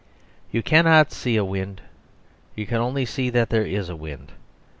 You cannot see a wind; you can only see that there is a wind.